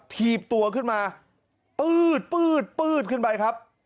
ทีบตัวขึ้นมาปื๊ดขึ้นไปครับ